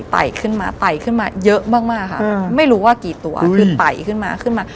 ไต่ขึ้นมาไต่ขึ้นมาเยอะมากมากค่ะไม่รู้ว่ากี่ตัวคือไต่ขึ้นมาขึ้นมา